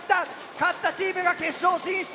勝ったチームが決勝進出。